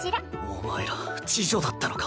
お前ら痴女だったのか。